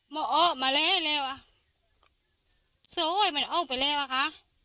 มออมาแลเร็วเร็วอ่ะเสื้อโหยมันเอาไปเร็วอ่ะค่ะ